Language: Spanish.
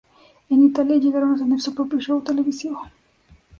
En Italia llegaron a tener su propio show televisivo.